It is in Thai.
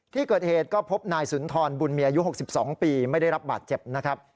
ที่เกิดเหตุก็พบนายสุนทรบุญมีอายุ๖๒ปีไม่ได้รับบาดเจ็บนะครับ